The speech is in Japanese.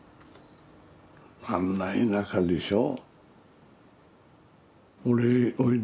あんな田舎でしょ。